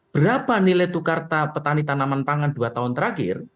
berapa nilai tukar petani tanaman pangan dua tahun terakhir